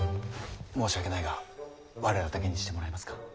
申し訳ないが我らだけにしてもらえますか。